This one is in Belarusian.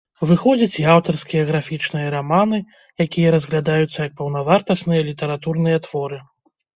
Выходзяць і аўтарскія графічныя раманы, якія разглядаюцца як паўнавартасныя літаратурныя творы.